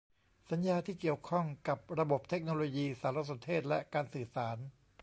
สัญญาที่เกี่ยวข้องกับระบบเทคโนโลยีสารสนเทศและการสื่อสาร